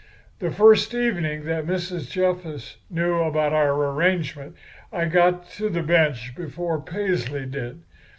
"The first evening that Mrs. Jessup knew about our arrangement I got to the bench before Paisley did.